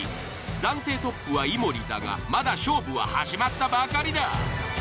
暫定トップは井森だがまだ勝負は始まったばかりだ。